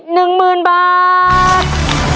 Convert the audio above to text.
หนึ่งหมื่นบาท